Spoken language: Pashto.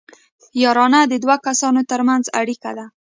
یارانه د دوو کسانو ترمنځ اړیکه ده